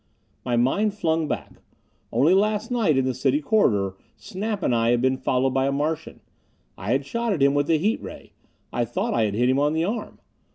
My mind flung back. Only last night in the City Corridor, Snap and I had been followed by a Martian. I had shot at him with the heat ray; I thought I had hit him on the arm.